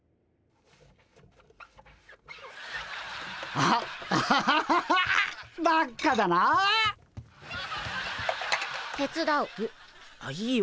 あっいいよ。